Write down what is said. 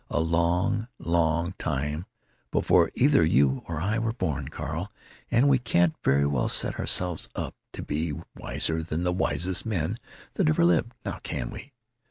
"A long, long time before either you or I were born, Carl, and we can't very well set ourselves up to be wiser than the wisest men that ever lived, now can we?"